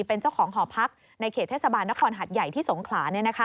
เป็นเจ้าของหอพักในเขตเทศบาลนครหัดใหญ่ที่สงขลา